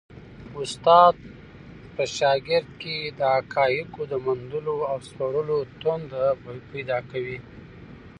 استاد په شاګرد کي د حقایقو د موندلو او سپړلو تنده پیدا کوي.